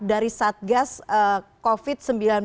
dari satgas covid sembilan belas